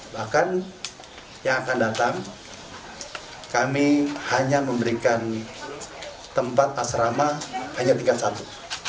bahkan yang akan datang kami hanya memberikan tempat asrama hanya tingkat satu